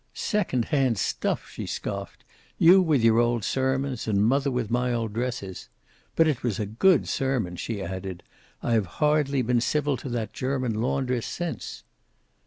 "Second hand stuff!" she scoffed. "You with your old sermons, and Mother with my old dresses! But it was a good sermon," she added. "I have hardly been civil to that German laundress since."